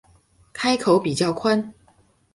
开口比较宽